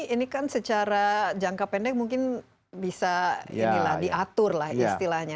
ini kan secara jangka pendek mungkin bisa diatur lah istilahnya